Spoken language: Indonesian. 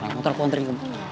naik motor aku ntarin kamu